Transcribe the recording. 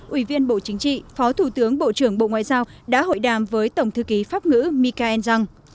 ủy viên bộ chính trị phó thủ tướng bộ trưởng bộ ngoại giao đã hội đàm với tổng thư ký pháp ngữ mika enzong